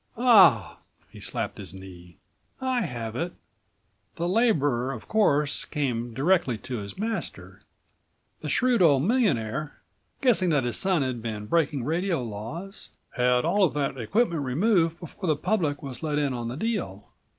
"Ah!" he slapped his knee, "I have it! The laborer of course came directly to his master. The shrewd old millionaire, guessing that his82 son had been breaking radio laws, had all of that equipment removed before the public was let in on the deal.